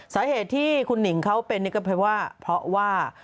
สาเหตุที่คุณหนิงเขาเป็นนี่ก็เพราะว่า